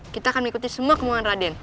kita akan mengikuti semua kemuangan raden